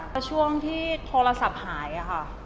แต่ช่วงที่โทรศัพท์หายค่ะ